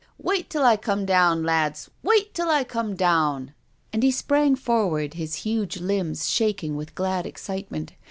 Wait till I come down, lads, wait till I come down !" And he sprang forward, his huge limbs shaking with glad excitement.